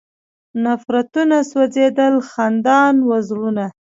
نفرتونه سوځېدل، خندان و زړونه